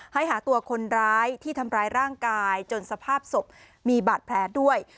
หาตัวคนร้ายที่ทำร้ายร่างกายจนสภาพศพมีบาดแผลด้วย